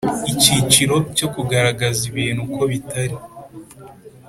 Icyiciro cyo Kugaragaza ibintu uko bitari